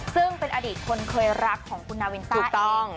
ซึ่งเป็นอดีตคนเคยรักของคุณนาวินต้าถูกต้อง